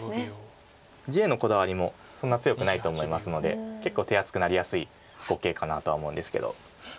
地へのこだわりもそんな強くないと思いますので結構手厚くなりやすい碁形かなとは思うんですけど。